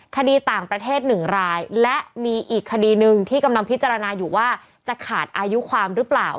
คดีต่างประเทศ๑รายและมีอีกคดีหนึ่งที่กำลังพิจารณาอยู่ว่าจะขาดอายุความหรือเปล่า